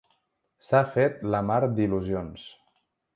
S'ha fet la mar d'il·lusions.